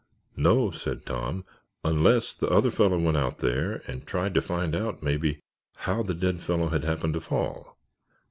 "No," said Tom, "unless the other fellow went out there and tried to find out, maybe, how the dead fellow had happened to fall.